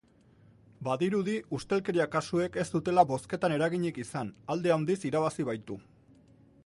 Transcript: Badirudi ustelkeria kasuek ez dutela bozketan eraginik izan, alde handiz irabazi baitu.